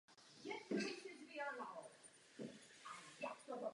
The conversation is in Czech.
Ve vyšších polohách rostou dubohabřiny.